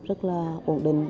rất là ổn định